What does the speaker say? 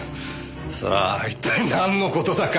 さあ一体なんの事だか。